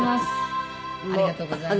ありがとうございます。